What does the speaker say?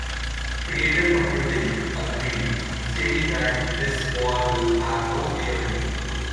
"Creative Computing" agreed, stating that "This war will have no clear winner.